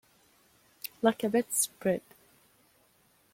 Like a bedspread.